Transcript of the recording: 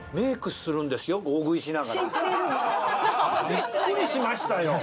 びっくりしましたよ。